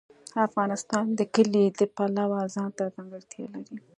افغانستان د کلي د پلوه ځانته ځانګړتیا لري.